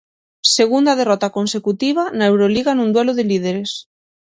Segunda derrota consecutiva na Euroliga nun duelo de líderes.